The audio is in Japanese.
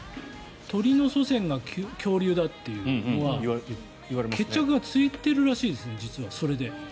鳥の祖先が恐竜だっていうのは決着がついてるらしいですね。